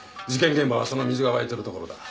現場はその水が湧いてる所だ